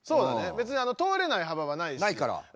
べつに通れないはばはないし。